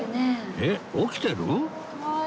えっ起きてる？